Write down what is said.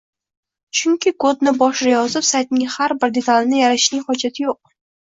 Chunki kodni boshida yozib, saytning har bir detalini yaratishning xojati yo’q